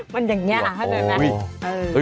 มันอย่างนี้ค่ะ